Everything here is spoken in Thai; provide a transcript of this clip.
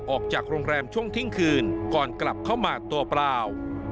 ออกจากโรงแรมช่วงเที่ยงคืนก่อนกลับเข้ามาตัวเปล่า